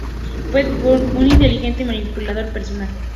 P. T. Barnum, un inteligente y manipulador personaje.